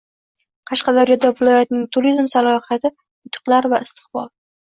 Qashqadaryo viloyatining turizm salohiyati: yutuqlar va istiqbol